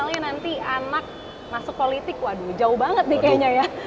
misalnya nanti anak masuk politik waduh jauh banget deh kayaknya ya